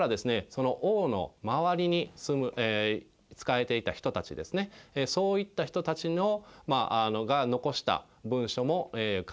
その王の周りに住む仕えていた人たちですねそういった人たちが残した文書も解読されるようになりました。